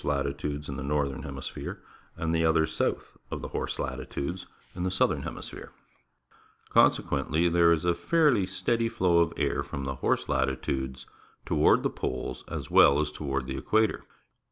k^ 100 120 UO 160 Diagram showing the Chief Winds of tudes in the northern hemisphere, the other south of the horse latitudes in the southern hemisphere. Consequently, there is a fairly steady flow of air from the horse latitudes toward the poles as well as toward the equator.